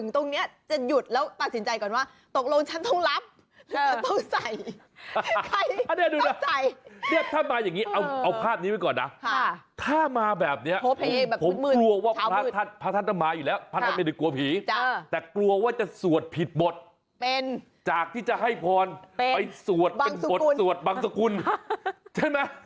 นึกว่าพระมารอพระแต่จริงแล้วมันหนาวว่ะคุณ